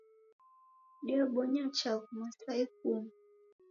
Diabonya chaghu masaa ikumi